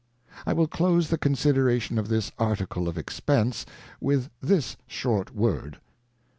I will close the consideration of this Article of Expence, with this short word.